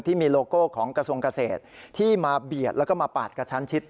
โลโก้ของกระทรวงเกษตรที่มาเบียดแล้วก็มาปาดกระชั้นชิด